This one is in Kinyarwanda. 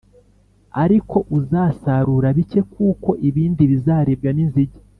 ariko uzasarura bike kuko ibindi bizaribwa n’inzige.